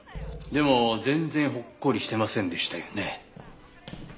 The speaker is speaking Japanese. でも全然ほっこりしてませんでしたよね。